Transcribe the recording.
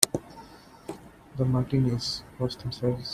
The Martinis cross themselves.